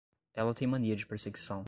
Ela tem mania de perseguição